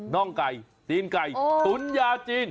่องไก่ตีนไก่ตุ๋นยาจีน